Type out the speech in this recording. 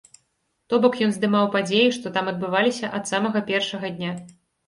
То бок ён здымаў падзеі, што там адбываліся ад самага першага дня.